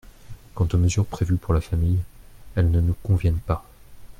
Quant aux mesures prévues pour la famille, elles ne nous conviennent pas.